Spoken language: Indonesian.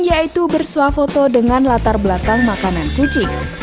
yaitu bersuafoto dengan latar belakang makanan kucing